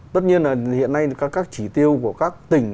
tất nhiên là hiện nay các chỉ tiêu của các tỉnh